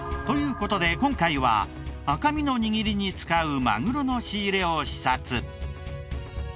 という事で今回は赤身の握りに使うマグロの仕入れを視察。